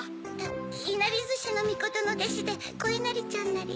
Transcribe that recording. いなりずしのみことのでしでこいなりちゃんなり。